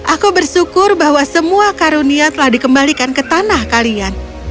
aku bersyukur bahwa semua karunia telah dikembalikan ke tanah kalian